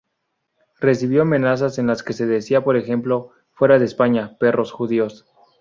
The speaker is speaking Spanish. Recibió amenazas en las que se decía, por ejemplo, ""¡Fuera de España, perros judíos!